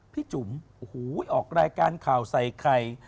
พี่จุ้มอรรายการข่าวใส่ใคร